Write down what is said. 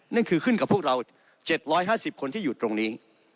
นั่นคือขึ้นกับพวกเรา๗๕๐คนที่อยู่ตรงนี้